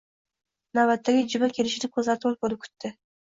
Navbatdagi juma kelishini ko‘zlari to‘rt bo‘lib kutdi